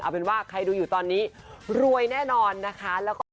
เอาเป็นว่าใครดูอยู่ตอนนี้รวยแน่นอนนะคะ